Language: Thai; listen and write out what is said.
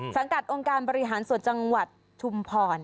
สังกัดองค์การบริหารส่วนจังหวัดชุมพร